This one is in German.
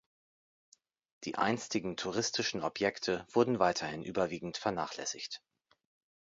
Die einstigen touristischen Objekte wurden weiterhin überwiegend vernachlässigt.